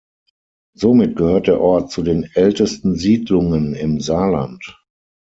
Somit gehört der Ort zu den ältesten Siedlungen im Saarland.